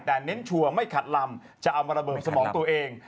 แต่เน้นชัวร์ไม่ขัดลำจะเอามาระเบิดสมองตัวเอง